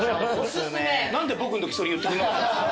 何で僕のときそれ言ってくれなかったんですか。